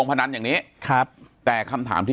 ปากกับภาคภูมิ